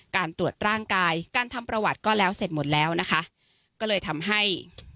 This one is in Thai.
การตรวจร่างกายการทำประวัติก็แล้วเสร็จหมดแล้วนะคะก็เลยทำให้